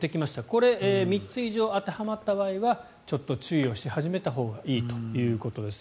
これ３つ以上当てはまった場合はちょっと注意をし始めたほうがいいということです。